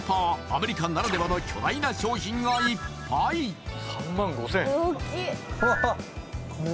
アメリカならではの巨大な商品がいっぱいおおっ！